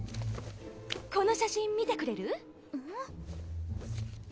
この写真見てくれる？